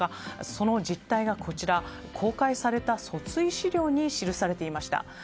その実態が公開された訴追資料に記されていました。